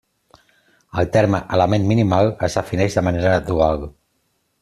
El terme element minimal es defineix de manera dual.